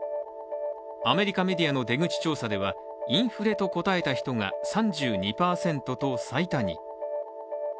アメリカメディアの出口調査ではインフレと答えた人が３２％と最多に。